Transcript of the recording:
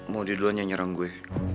modulannya nyerang gue